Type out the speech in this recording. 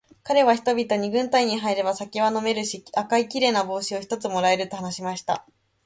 かれは人々に、軍隊に入れば酒は飲めるし、赤いきれいな帽子を一つ貰える、と話しました。